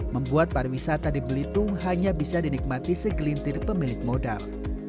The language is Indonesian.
membuat pariwisata di belitung hanya bisa dinikmati segelintir pemilik modal